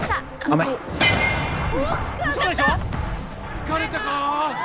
いかれたか？